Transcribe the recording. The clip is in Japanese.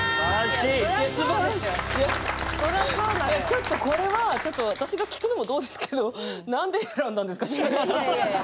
ちょっとこれは私が聞くのもどうですけど何で選んだんですか？